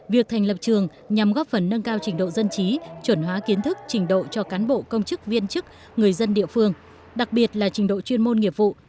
việc thành lập trường nhằm góp phần nâng cao trình độ dân trí chuẩn hóa kiến thức trình độ cho cán bộ công chức viên chức người dân địa phương đặc biệt là trình độ chuyên môn nghiệp vụ